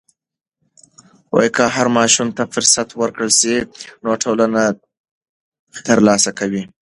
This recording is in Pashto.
که هر ماشوم ته فرصت ورکړل سي، نو ټولنه ترلاسه کوي.